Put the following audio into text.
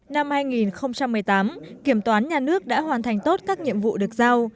năm hai nghìn một mươi tám kiểm toán nhà nước đã hoàn thành tốt các nhiệm vụ được giao